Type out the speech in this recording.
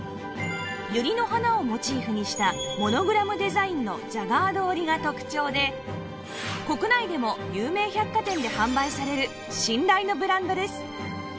ユリの花をモチーフにしたモノグラムデザインのジャガード織が特長で国内でも有名百貨店で販売される信頼のブランドです